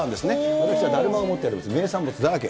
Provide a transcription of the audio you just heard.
私がだるまを持っている、名産物だらけ。